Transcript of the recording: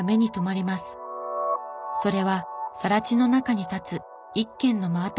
それはさら地の中に立つ一軒の真新しい民家。